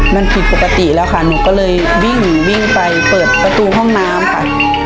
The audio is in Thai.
มันผิดปกติแล้วค่ะหนูก็เลยวิ่งวิ่งไปเปิดประตูห้องน้ำค่ะ